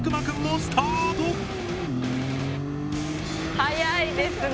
速いですね。